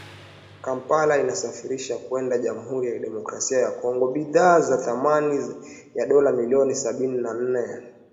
Kampala inasafirisha kwenda Jamuhuri ya Demokrasia ya Kongo bidhaa za thamani ya dola milioni sabini na nne